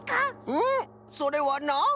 うんそれはな